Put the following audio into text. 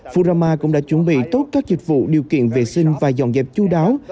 furama cũng đã chuẩn bị tốt các dịch vụ điều kiện vệ sinh và dọn dẹp chu đáo